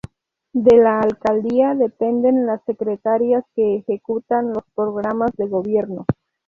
De la Alcaldía dependen las secretarías que ejecutan los programas de gobierno.